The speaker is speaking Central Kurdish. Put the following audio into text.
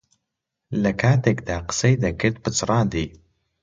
لەکاتێکدا قسەی دەکرد پچڕاندی.